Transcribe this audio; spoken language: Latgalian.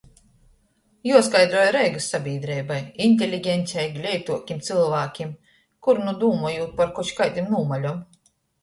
Juoskaidroj Reigys sabīdreibai, inteligencei, gleituotim cylvākim, kur nu dūmojūt par koč kaidom nūmalem.